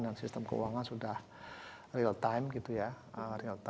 dan sistem keuangan sudah real time